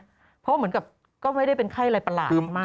เพราะว่าเหมือนกับก็ไม่ได้เป็นค่ายอะไรพลาดมากขาวด้วย